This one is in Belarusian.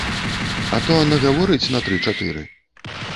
А то нагаворыць на тры-чатыры.